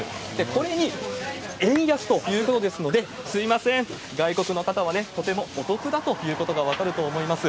これに円安ということで、すみません、外国の方はね、とてもお得だということが分かると思います。